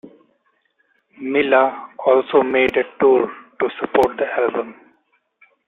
Milla also made a tour to support the album.